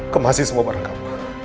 kemasin semua barang kamu